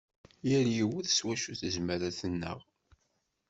Yal yiwet s wacu tezmer ad tennaɣ.